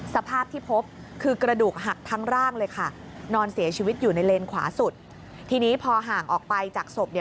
สภาพที่พบคือกระดูกหักทั้งร่างเลยค่ะนอนเสียชีวิตอยู่ในเลนขวาสุดทีนี้พอห่างออกไปจากศพเนี่ย